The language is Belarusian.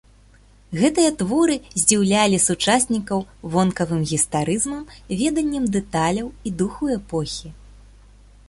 Гэтыя творы здзіўлялі сучаснікаў вонкавым гістарызмам, веданнем дэталяў і духу эпохі.